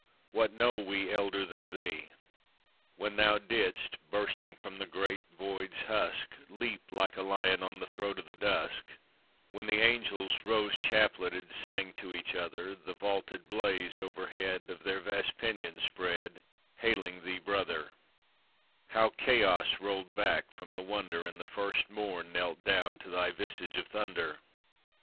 What know we elder than thee? When thou didst, bursting from the great void's husk, Leap like a lion on the throat o' the dusk; When the angels rose chapleted Sang to each other, The vaulted blaze overhead Of their vast pinions spread, Hailing thee brother; How chaos rolled back from the wonder, And the First Morn knelt down to thy visage of thunder!